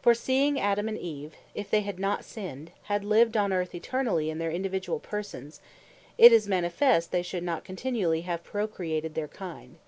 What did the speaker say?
For seeing Adam, and Eve, if they had not sinned, had lived on Earth Eternally, in their individuall persons; it is manifest, they should not continually have procreated their kind.